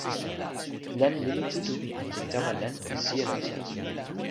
len lili tu tu li tawa len pi sijelo sewi.